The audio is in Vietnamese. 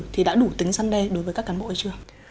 thì đã đủ tính săn đe đối với các cán bộ chưa